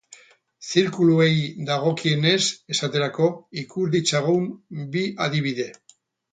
Zirkuluei dagokienez, esaterako, ikus ditzagun bi adibide.